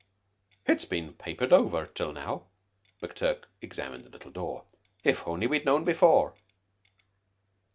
"It has been papered over till now." McTurk examined the little door. "If we'd only known before!"